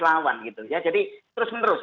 lawan gitu ya jadi terus menerus